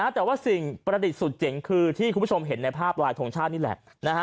แต่ว่าสิ่งประดิษฐ์สุดเจ๋งคือที่คุณผู้ชมเห็นในภาพลายทรงชาตินี่แหละ